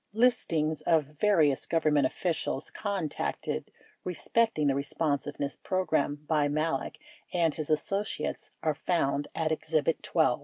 Listings of various Government officials contacted respecting the Responsiveness Program by Malek and his associates are found at Exhibit 12.